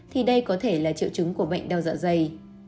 thì đây có thể là triệu chứng của bệnh đau dạ dày